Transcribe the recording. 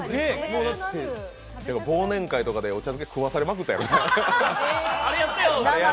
忘年会とかでお茶漬け、食わされまくったやろうな。